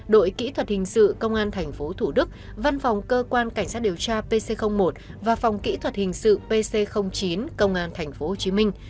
đội kỹ thuật hình sự công an tp thủ đức văn phòng cơ quan cảnh sát điều tra pc một và phòng kỹ thuật hình sự pc chín công an tp hcm